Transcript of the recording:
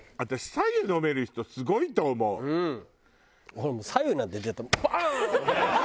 俺もう白湯なんて出たらバーン！